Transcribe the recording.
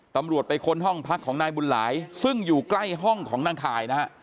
ตำรวจไปค้นห้องพักของนายบุญหลายซึ่งอยู่ใกล้ห้องของนางข่ายนะฮะ